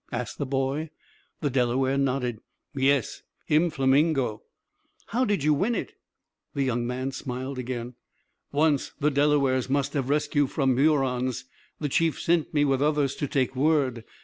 asked the boy. The Delaware nodded. "Yes, him flamingo." "How did you win it?" The young man smiled again. "Once the Delawares must have rescue from the Hurons. A chief sent me with others to take word.